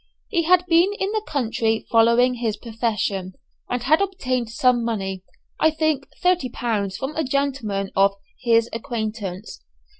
He had been in the country following his profession, and had obtained some money, I think thirty pounds, from a gentleman of "his acquaintance."